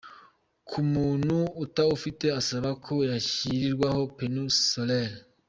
Ku muntu utawufite asaba ko yashyirirwaho ‘Panneau solaire’.